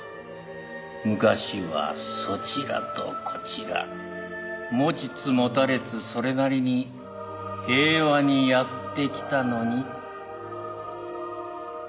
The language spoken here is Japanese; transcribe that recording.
「昔はそちらとこちら持ちつ持たれつそれなりに平和にやってきたのに」。